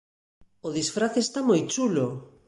O disfrace está moi chulo!